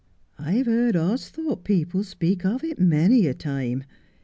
I've heard Austhorpe people speak of it many a time.